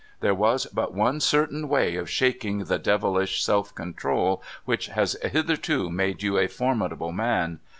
There was but one certain way of shaking the devilish self control which has hitherto made you a formidable man.